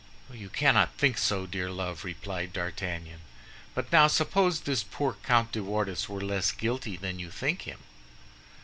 "You cannot think so, dear love!" replied D'Artagnan; "but now, suppose this poor Comte de Wardes were less guilty than you think him?"